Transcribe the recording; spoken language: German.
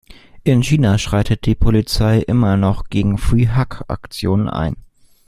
In China schreitet die Polizei noch immer gegen "Free Hug"-Aktionen ein.